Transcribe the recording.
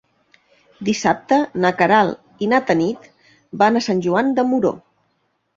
Dissabte na Queralt i na Tanit van a Sant Joan de Moró.